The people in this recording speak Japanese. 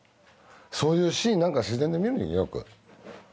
そういうシーンなんか自然で見るんやよく。